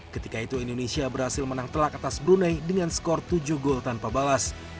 ketika itu indonesia berhasil menang telak atas brunei dengan skor tujuh gol tanpa balas